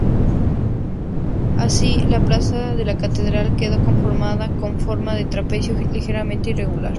Así, la plaza de la catedral quedó conformada con forma de trapecio, ligeramente irregular.